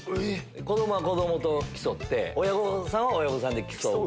子供は子供と競って親御さんは親御さんで競う。